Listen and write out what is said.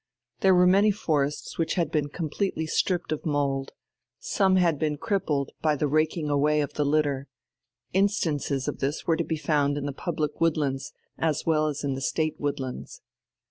There were many forests which had been completely stripped of mould; some had been crippled by the raking away of the litter: instances of this were to be found in the public woodlands as well as in the State woodlands.